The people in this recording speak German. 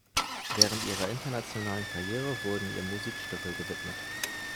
Während ihrer internationalen Karriere wurden ihr Musikstücke gewidmet.